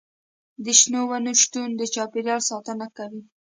د شنو ونو شتون د چاپیریال ساتنه کوي.